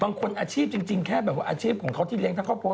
อาชีพจริงแค่แบบว่าอาชีพของเขาที่เลี้ยทั้งครอบครัว